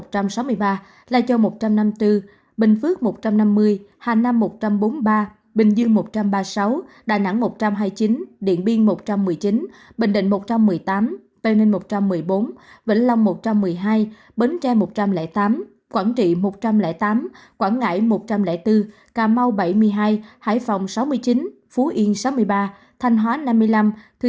thái châu một trăm năm mươi bốn bình phước một trăm năm mươi hà nam một trăm bốn mươi ba bình dương một trăm ba mươi sáu đà nẵng một trăm hai mươi chín điện biên một trăm một mươi chín bình định một trăm một mươi tám tây ninh một trăm một mươi bốn vĩnh long một trăm một mươi hai bến tre một trăm linh tám quảng trị một trăm linh tám quảng ngãi một trăm linh bốn cà mau bảy mươi hai hải phòng sáu mươi chín phú yên sáu mươi ba thanh hóa năm mươi năm thư thiên huế bốn mươi bảy khánh hòa bốn mươi bảy năng mang ba mươi tám bình thuận ba mươi năm kiên giang hai mươi